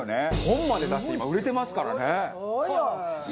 本まで出して今売れてますからね。